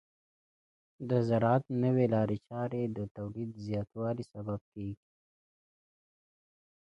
د زراعت نوې لارې چارې د تولید زیاتوالي سبب کیږي.